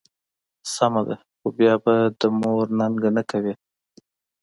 سمه ده، خو بیا به د مور ننګه نه کوې.